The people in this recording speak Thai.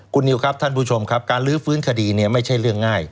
คุณนิวครับท่านผู้ชมครับการลื้อฟื้นคดีเนี่ยไม่ใช่เรื่องง่าย